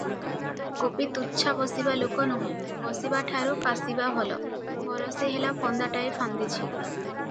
ଗୋପୀ ତୁଚ୍ଛା ବସିବା ଲୋକ ନୁହେଁ, ବସିବାଠାରୁ କାଷିବା ଭଲ, ବରଷେ ହେଲା ଫନ୍ଦାଟାଏ ଫାନ୍ଦିଛି ।